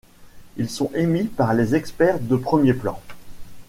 Ils sont émis par les experts de premier plan.